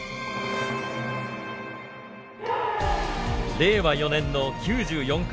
令和４年の９４回大会。